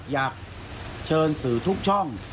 อยากเชิญสื่อทุกช่อง